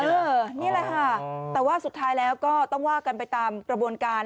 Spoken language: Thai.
นี่แหละค่ะแต่ว่าสุดท้ายแล้วก็ต้องว่ากันไปตามกระบวนการ